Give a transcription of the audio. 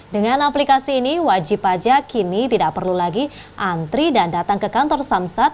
dengan aplikasi ini wajib pajak kini tidak perlu lagi antri dan datang ke kantor samsat